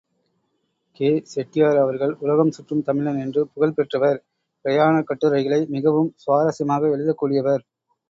K. Chettiar அவர்கள் உலகம் சுற்றும் தமிழன் என்று புகழ் பெற்றவர், பிரயாணக்கட்டுரைகளை மிகவும் சுவாரஸ்யமாக எழுதக்கூடியவர்.